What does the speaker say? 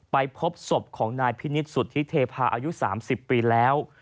พบศพของนายพินิศสุธิเทพาอายุ๓๐ปีแล้ว